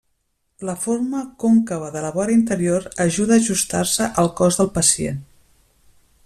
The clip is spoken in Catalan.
La forma còncava de la vora interior ajuda a ajustar-se al cos del pacient.